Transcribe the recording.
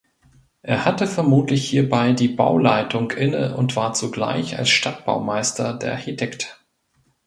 Er hatte vermutlich hierbei die Bauleitung inne und war zugleich als Stadtbaumeister der Architekt.